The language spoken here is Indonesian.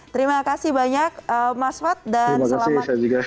terima kasih banyak mas wad dan selamat kembali melanjutkan ibadahnya